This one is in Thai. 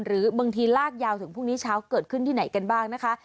หรือบางทีลากยาวถึงพรุ่งนี้เช้าเกิดขึ้นที่ไหนกันบ้างนะคะ